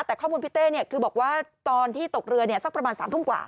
แต่ข้อมูลพี่เต้คือบอกว่าตอนที่ตกเรือสักประมาณ๓ทุ่มกว่า